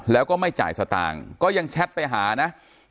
แล้วก็ไม่จ่ายสตางค์ก็ยังแชทไปหานะ